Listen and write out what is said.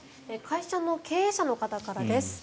会社の経営者の方からです。